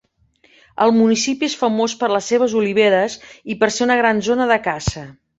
El municipi és famós per les seves oliveres i per ser una gran zona de caça.